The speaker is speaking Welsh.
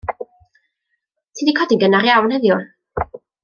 Ti 'di codi'n gynnar iawn heddiw.